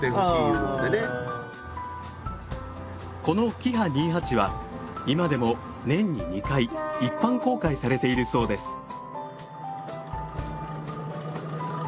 このキハ２８は今でも年に２回一般公開されているそうです。